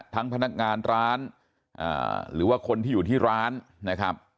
พนักงานร้านหรือว่าคนที่อยู่ที่ร้านนะครับ